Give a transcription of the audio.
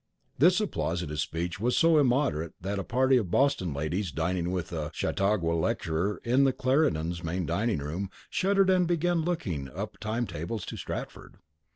The applause at this speech was so immoderate that a party of Boston ladies dining with a Chautauqua lecturer in the Clarendon's main dining room, shuddered and began looking up time tables to Stratford.